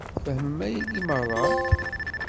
Tfehmem ayagi meṛṛa?